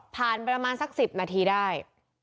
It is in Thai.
ผ่านประมาณสักสิบนาทีได้